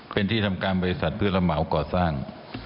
เป็นที่ทำการบริษัทเพื่อรับเหมาก่อสร้าง